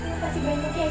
tolong kasih k stone ya pok